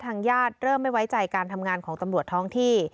ทางญาติเริ่มไม่ไว้ใจการทำงานของตำรวจท้องที่